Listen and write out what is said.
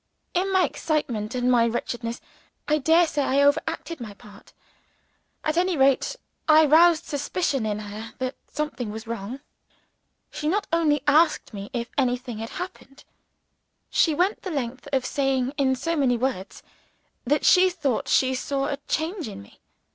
In my excitement and my wretchedness, I daresay I over acted my part. At any rate, I roused the suspicion in her that something was wrong. She not only asked me if anything had happened, she went the length of saying, in so many words, that she thought she saw a change in me.